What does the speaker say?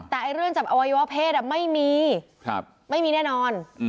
แต่เรื่องจับอวัยวะเพศไม่มีไม่มีแน่นอน